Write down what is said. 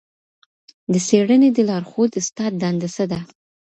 د څېړني د لارښود استاد دنده څه ده؟